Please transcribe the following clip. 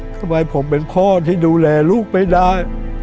ทำไมผมเป็นพ่อที่ดูแลลูกไม่ได้